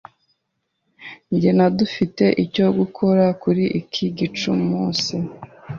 Jye na dufite icyo gukora kuri iki gicamunsi.